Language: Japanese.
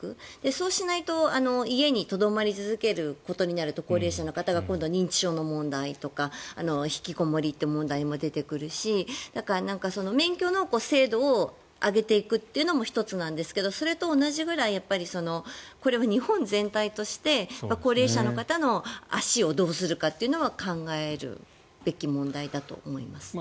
そうしないと家にとどまり続けることになると高齢者の方が今後、認知症の問題とか引きこもりって問題も出てくるし免許の制度を上げていくというのも１つなんですがそれと同じぐらいこれは日本全体として高齢者の方の足をどうするかっていうのは考えるべき問題だと思います。